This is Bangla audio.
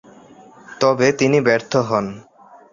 তবে তিনি ব্যর্থ হন।